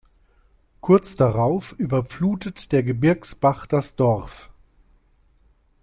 Kurz darauf überflutet der Gebirgsbach das Dorf.